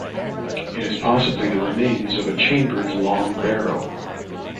It is possibly the remains of a chambered long barrow.